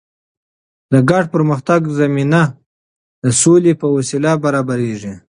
د ګډ پرمختګ زمینه د سولې په وسیله برابریږي.